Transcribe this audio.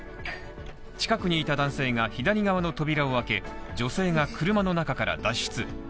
近くにいた男性が左側の扉を開け、女性が車の中から脱出。